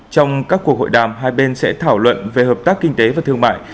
trong các cuộc hội đàm hai bên sẽ thảo luận về hợp tác kinh tế và thương mại